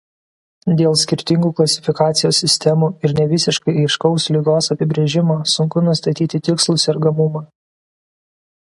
Dėl skirtingų klasifikacijos sistemų ir nevisiškai aiškaus ligos apibrėžimo sunku nustatyti tikslų sergamumą.